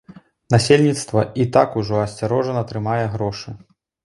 Насельніцтва і так ужо асцярожна трымае грошы.